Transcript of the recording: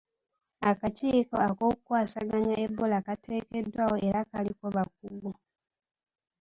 Akakiiko ak'okukwasaganya ebola kateekeddwawo era kaliko bakugu.